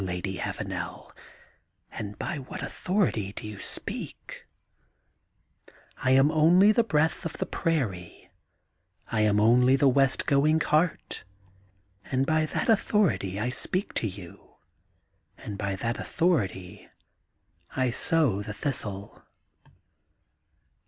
Lady Avanel, and by what authority do you speak t '^I am only the breath of the prairie, I am only the West going Heart, and by that authority I speak to you, and by that author ity I sow the thistle.